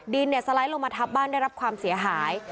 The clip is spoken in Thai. ดินสไลด์ลงมาทับบ้านได้รับความเสียหาย